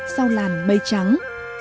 sau làn mây trắng